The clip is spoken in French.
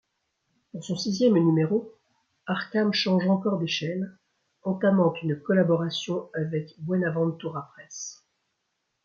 Pour son sixième numéro, Harkham change encore d'échelle, entamant une collaboration avec Buenaventura Press.